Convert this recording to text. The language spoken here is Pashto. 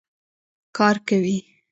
کار کوي.